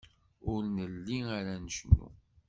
Ur nelli ara ncennu.